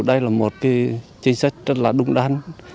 đây là một chính sách rất là đúng đắn